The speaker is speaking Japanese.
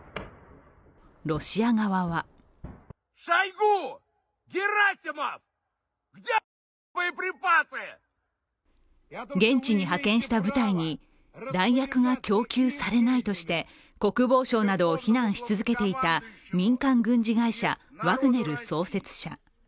ロシア側は現地に派遣した部隊に弾薬が供給されないとして国防相などを非難し続けていた民間軍事会社ワグネル創設者。